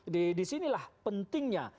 di disinilah pentingnya